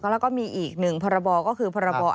แล้วก็มีอีกหนึ่งพศ๒๕๒๒